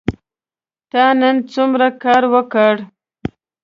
تا نن څومره کار وکړ ؟